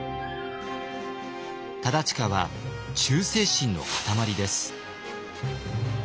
忠隣は忠誠心の塊です。